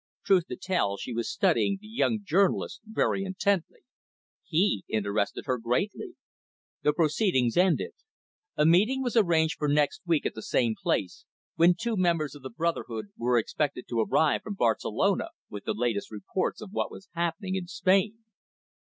Truth to tell, she was studying the young journalist very intently. He interested her greatly. The proceedings ended. A meeting was arranged for next week at the same place, when two members of the brotherhood were expected to arrive from Barcelona with the latest reports of what was happening in Spain.